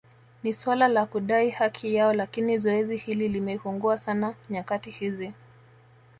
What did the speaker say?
Ni suala la kudai haki yao lakini zoezi hili limepungua sana nyakati hizi